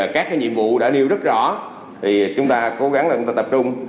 các cái nhiệm vụ đã nêu rất rõ thì chúng ta cố gắng tập trung